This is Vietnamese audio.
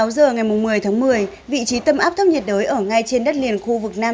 sáu giờ ngày một mươi tháng một mươi vị trí tâm áp thấp nhiệt đới ở ngay trên đất liền khu vực nam